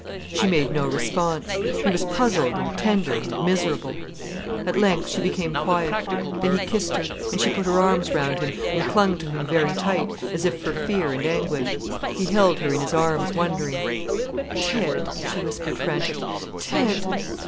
She made no response. He was puzzled and tender and miserable. At length she became quiet. Then he kissed her, and she put her arms round him, and clung to him very tight, as if for fear and anguish. He held her in his arms, wondering. "Ted!" she whispered, frantic. "Ted!"